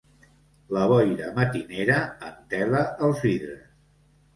La boira matinera entela els vidres.